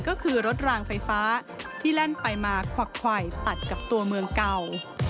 ก็คือรถรางไฟฟ้าที่แล่นไปมาขวักไขวตัดกับตัวเมืองเก่า